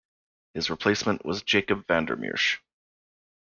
His replacement was Jacob van der Meersh.